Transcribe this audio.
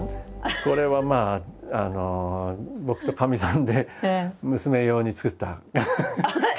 これはまああの僕とかみさんで娘用に作った曲なんです。